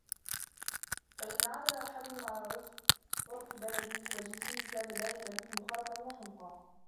فَإِنْ عَدَلَ أَحَدٌ عَنْ عُرْفِ بَلَدِهِ وَجِنْسِهِ كَانَ ذَلِكَ مِنْهُ خَرَقًا وَحُمْقًا